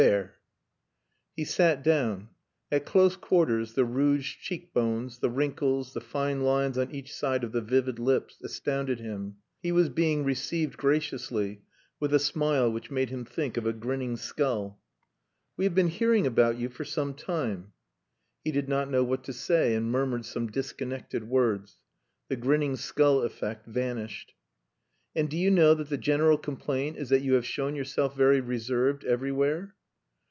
There " He sat down. At close quarters the rouged cheekbones, the wrinkles, the fine lines on each side of the vivid lips, astounded him. He was being received graciously, with a smile which made him think of a grinning skull. "We have been hearing about you for some time." He did not know what to say, and murmured some disconnected words. The grinning skull effect vanished. "And do you know that the general complaint is that you have shown yourself very reserved everywhere?"